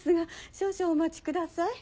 少々お待ちください。